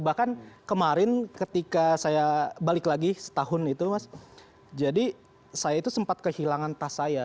bahkan kemarin ketika saya balik lagi setahun itu mas jadi saya itu sempat kehilangan tas saya